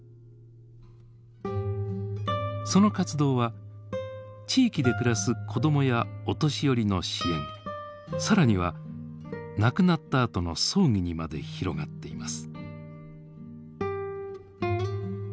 その活動は地域で暮らす子どもやお年寄りの支援更には亡くなったあとの葬儀にまで広がっています。